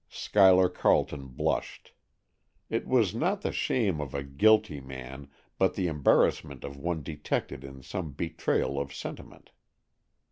Schuyler Carleton blushed. It was not the shame of a guilty man, but the embarrassment of one detected in some betrayal of sentiment.